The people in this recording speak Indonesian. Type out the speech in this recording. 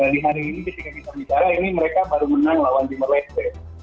di hari ini ketika kita bicara ini mereka baru menang lawan timur leste